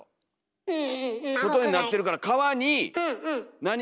外になってるから皮に何。